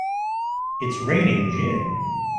It's raining gin!